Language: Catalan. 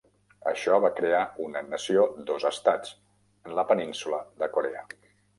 Això va crear "una nació, dos estats" en la península de Corea.